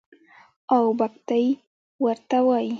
او بګتۍ ورته وايي.